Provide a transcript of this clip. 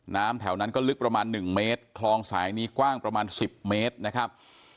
น้ำแถวนั้นก็ลึกประมาณ๑เมตรคลองสายนี้กว้างประมาณ๑๐เมตรนะครับ